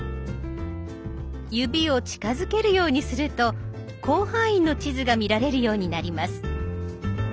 指を近づけるようにすると広範囲の地図が見られるようになります。